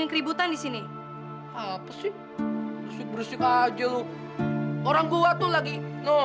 eh si susah apaan